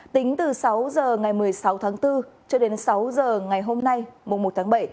tính từ sáu h ngày một mươi sáu tháng bốn cho đến sáu giờ ngày hôm nay mùng một tháng bảy